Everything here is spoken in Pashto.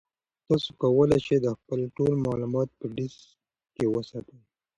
تاسي کولای شئ خپل ټول معلومات په ډیسک کې وساتئ.